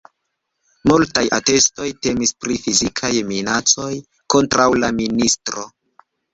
Multaj atestoj temis pri fizikaj minacoj kontraŭ la ministro.